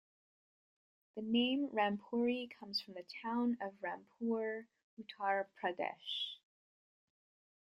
The name Rampuri comes from the town of Rampur, Uttar Pradesh.